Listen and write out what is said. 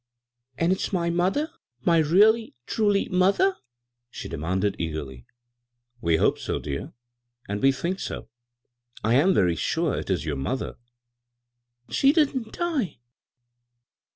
"And it's my mother — my really truly mother ?" she demanded eagerly. " We hope so, dear, and we think so. I am very sure it is your mother." " And she didn't die?"